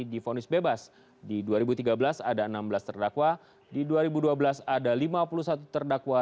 difonis bebas di dua ribu tiga belas ada enam belas terdakwa di dua ribu dua belas ada lima puluh satu terdakwa